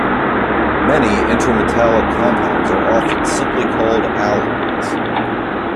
Many intermetallic compounds are often simply called alloys.